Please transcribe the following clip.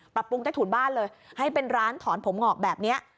ปรับปรุงใต้ถุนบ้านเลยให้เป็นร้านถอนผมงอกแบบนี้